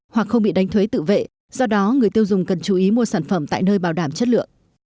hoặc không bị đánh thuế tự vệ do đó người tiêu dùng cần chú ý mua sản phẩm tại nơi bảo đảm chất lượng